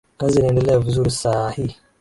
kazi inaendelea vizuri saa hii